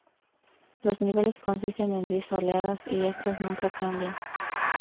Los niveles consisten en diez oleadas y estas nunca cambian.